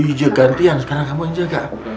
hijau gantian sekarang kamu yang jaga